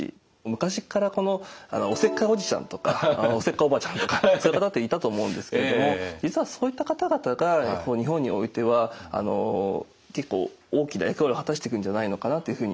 昔っからおせっかいおじちゃんとかおせっかいおばちゃんとかそういう方っていたと思うんですけれども実はそういった方々がここ日本においては結構大きな役割を果たしていくんじゃないのかなというふうに。